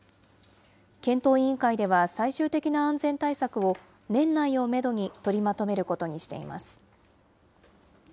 検討委員会では、最終的な安全対策を、年内をメドに取りまとめることにしています。